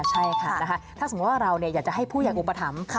ใช่ค่ะถ้าสมมุติว่าเราอยากจะให้ผู้ใหญ่อุปถัมภ์